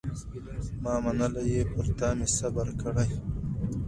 ما منلی یې پر تا مي صبر کړی